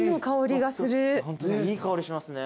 ホントだいい香りしますね。